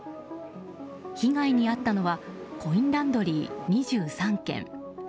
被害に遭ったのはコインランドリー２３軒。